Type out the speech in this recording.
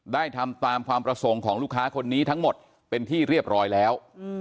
ทำตามความประสงค์ของลูกค้าคนนี้ทั้งหมดเป็นที่เรียบร้อยแล้ว